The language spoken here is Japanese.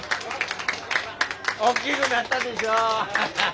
おっきぐなったでしょ。